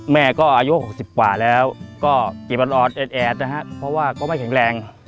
แม่ก็อายุ๖๐กว่าแล้วก็จิตอ่อนแอดนะครับเพราะว่าก็ไม่แข็งแรง